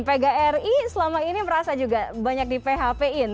pgri selama ini merasa juga banyak di php in